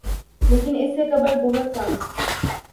لیکن اس سے قبل بہت کم